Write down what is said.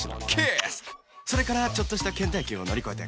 それからちょっとした倦怠期を乗り越えて結婚